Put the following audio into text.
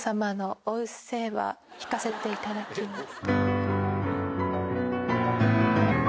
弾かせていただきます。